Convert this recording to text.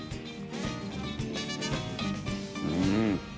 うん！